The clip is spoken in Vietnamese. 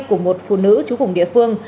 của một phụ nữ trú khủng địa phương